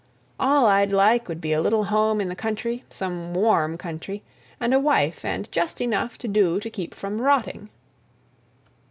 "All I'd like would be a little home in the country, some warm country, and a wife, and just enough to do to keep from rotting."